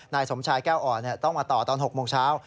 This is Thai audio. นายสมชายแก้วอ่อนต้องมาต่อตอน๖โมงเช้า